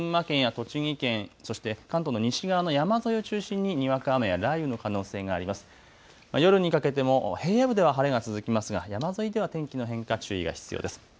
夜にかけても平野部では晴れが続きますが山沿いでは天気の変化、注意が必要です。